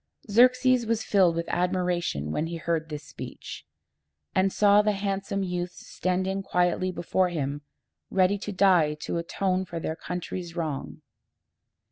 Xerxes was filled with admiration when he heard this speech, and saw the handsome youths standing quietly before him, ready to die to atone for their country's wrong.